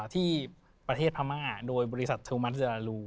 ที่ประเทศพมงาโดยบริษัทธุมัติดลารู